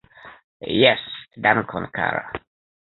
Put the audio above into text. Jes, dankon kara